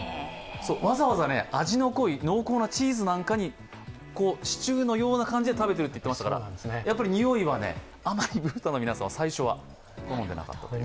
わざわざ味の濃い濃厚なチーズなんかに、シチューのような感じで食べているということですからやっぱりにおいは、あまりブータンの皆さんは、最初は好んでいなかったようです。